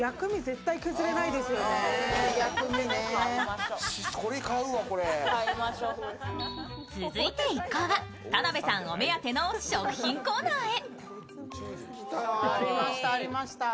そうそう、切ってくからね続いて一行は、田辺さんお目当ての食品コーナーへ。